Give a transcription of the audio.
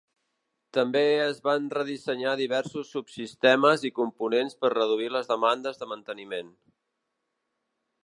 També es van redissenyar diversos subsistemes i components per reduir les demandes de manteniment.